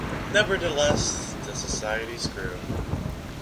Nevertheless the Societies grew.